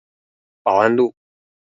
保安路